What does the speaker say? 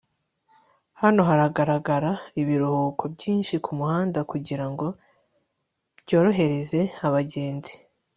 hano harahagarara ibiruhuko byinshi kumuhanda kugirango byorohereze abagenzi